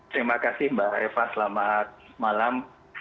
terima kasih mbak eva selamat malam